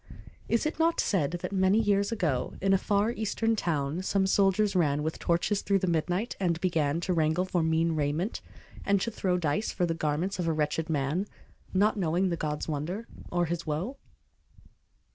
Is it not said that many years ago, In a far Eastern town, some soldiers ran With torches through the midnight, and began To wrangle for mean raiment, and to throw Dice for the garments of a wretched man, Not knowing the God's wonder, or His woe?